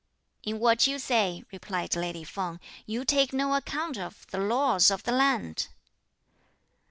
"In what you say," replied lady Feng, "you take no account of the laws of the land."